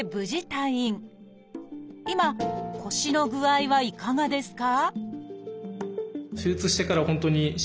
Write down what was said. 今腰の具合はいかがですか？